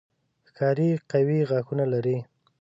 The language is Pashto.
ښکاري قوي غاښونه لري.